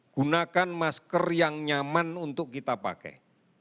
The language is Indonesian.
gunakan masker yang nyaman untuk kita pakai